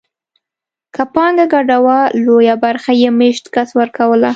که پانګه ګډه وه لویه برخه یې مېشت کس ورکوله.